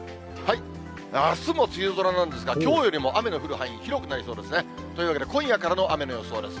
あすも梅雨空なんですが、きょうよりも雨の降る範囲、広くなりそうですね。というわけで、今夜からの雨の予想です。